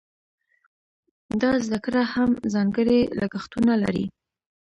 دا زده کړه هم ځانګړي لګښتونه لري.